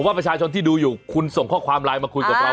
ว่าประชาชนที่ดูอยู่คุณส่งข้อความไลน์มาคุยกับเรา